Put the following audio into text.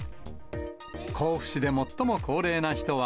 甲府市で最も高齢な人は、